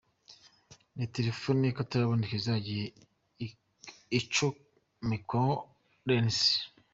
Ni telefone y'akaraboneka izajya icomekwaho 'Lens'.